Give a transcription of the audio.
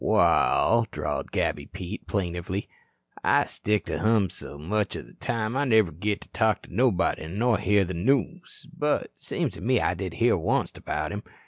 "Waal," drawled Gabby Pete, plaintively, "I stick to hum so much o' the time I never git to talk to nobody nor hear the noos. But seems to me I did hear onct about him.